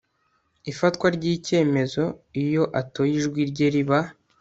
ifatwa ry icyemezo iyo atoye ijwi rye riba